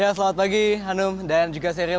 ya selamat pagi hanum dan juga seril